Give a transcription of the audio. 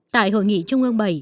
tại hội nghị trung ương bảy